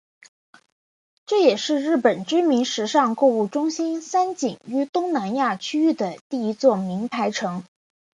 这也是日本知名时尚购物中心三井于东南亚区域的第一座名牌城。